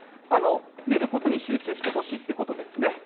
寝ることに集中してほしいということですね。